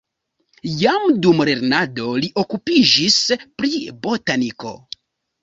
Jam dum lernado li okupiĝis pri botaniko.